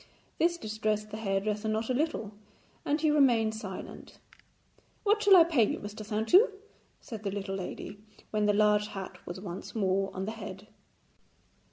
This distressed the hairdresser not a little, and he remained silent. 'What shall I pay you, Mr. Saintou?' said the little lady, when the large hat was once more on the head.